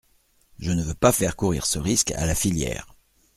Je ne veux pas faire courir ce risque à la filière.